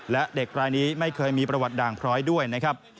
และเด็กรายนี้ไม่เคยมีประวัติด่างพร้อยด้วยนะครับ